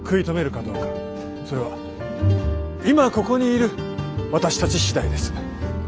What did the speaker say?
それは今ここにいる私たち次第です。